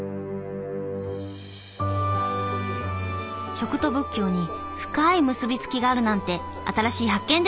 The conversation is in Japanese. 食と仏教に深い結び付きがあるなんて新しい発見でした。